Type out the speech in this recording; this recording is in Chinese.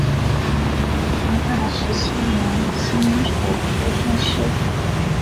成化十七年辛丑科进士。